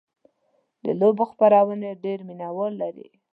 د لوبو خپرونې ډېر مینهوال لري.